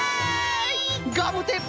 ガムテープ